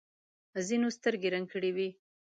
ځینو سترګې رنګ کړې وي.